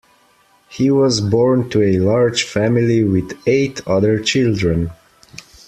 He was born to a large family with eight other children.